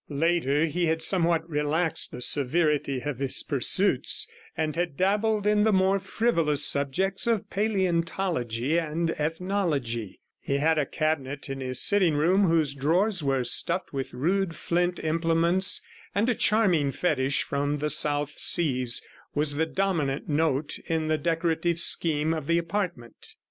Later he had somewhat relaxed the severity of his pursuits, and had dabbled in the more frivolous subjects of palaeontology and ethnology; he had a cabinet in his sitting room whose drawers were stuffed with rude flint implements, and a charming fetish from the South Seas was the dominant note in the decorative scheme of the apartment.